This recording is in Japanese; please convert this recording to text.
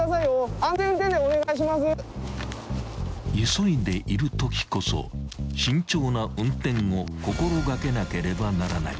［急いでいるときこそ慎重な運転を心掛けなければならない］